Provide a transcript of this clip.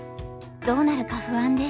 どうなるか不安で。